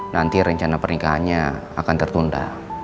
nanti rencana pernikahannya akan tertunda